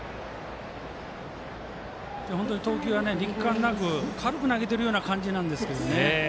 本当に投球が力感なく軽く投げてるような感じなんですけどね。